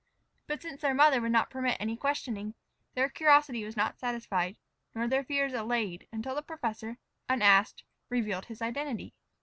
But, since their mother would not permit any questioning, their curiosity was not satisfied nor their fears allayed until the professor, unasked, revealed his identity.